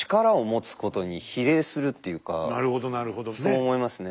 そう思いますね。